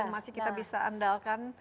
masih kita bisa andalkan